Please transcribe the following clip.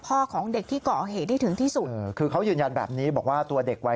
ของเด็กที่ก่อเหตุได้ถึงที่สุดเออคือเขายืนยันแบบนี้บอกว่าตัวเด็กวัย